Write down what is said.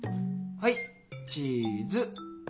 はいチーズ。